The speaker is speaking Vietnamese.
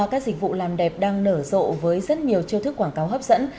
các dịch vụ làm đẹp đang nở rộ với rất nhiều chiêu thức quảng cáo hấp dẫn